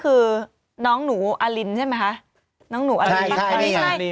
เกิดอะไรยังเกิดอะไรยัง